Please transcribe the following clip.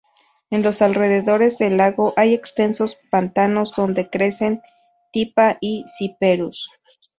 En los alrededores del lago, hay extensos pantanos donde crecen Typha y Cyperus.